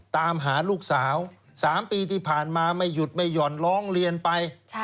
ตามหาลูกสาว๓ปีที่ผ่านมาไม่หยุดไม่หย่อนร้องเรียนไป